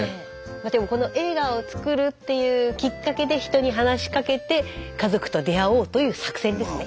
でもこの映画を作るっていうきっかけで人に話しかけて家族と出会おうという作戦ですね。